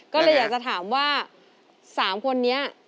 ก็เลยอยากจะถามว่า๓คนนี้